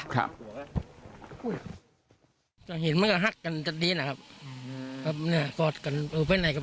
อ๋อคือระวังวันเกินเหตุมีแนวโน้มว่าจะมาทำอะไรแบบนี้นี่ครับ